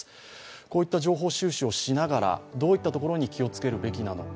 こういった情報収集をしながら、どういったところに気をつけるべきなのか。